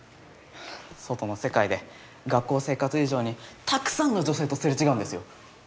外の世界で学校生活以上にたくさんの女性と擦れ違うんですよ！